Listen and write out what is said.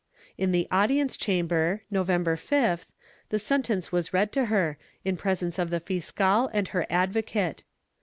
In the audience chamber, November 5th, the sentence was read to her, in presence of the fiscal and her advocate.